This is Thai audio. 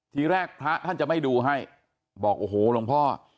ทีแรกพระท่านจะไม่ดูให้บอกโอ้โหหลวงพ่อ